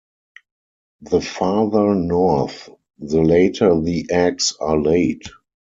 The farther north, the later the eggs are laid.